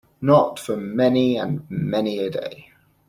Not for many and many a day.